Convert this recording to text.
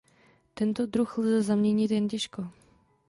Tento druh lze zaměnit jen těžko.